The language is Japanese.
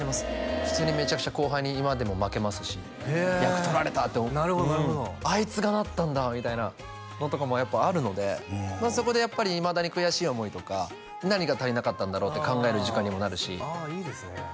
普通にめちゃくちゃ後輩に今でも負けますし役取られたってへえなるほどなるほどあいつがなったんだみたいなのとかもやっぱあるのでそこでやっぱりいまだに悔しい思いとか何が足りなかったんだろうって考える時間にもなるしああいいですね